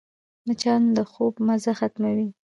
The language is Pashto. مچان د خوب مزه ختموي